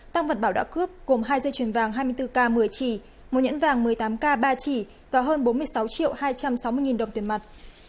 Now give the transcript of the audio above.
tăng vật bảo đã cướp gồm hai dây chuyền vàng hai mươi bốn k một mươi chỉ một nhẫn vàng một mươi tám k ba chỉ và hơn bốn mươi sáu hai trăm sáu mươi đồng tiền mặt